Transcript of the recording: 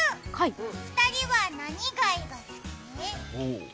２人は何貝が好き？